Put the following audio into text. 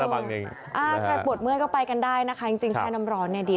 ใครปวดเมื่อยก็ไปกันได้นะคะจริงแช่น้ำร้อนเนี่ยดี